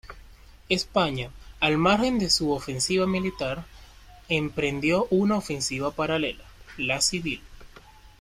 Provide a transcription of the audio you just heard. España, al margen de su ofensiva militar, emprendió una ofensiva paralela, la civil.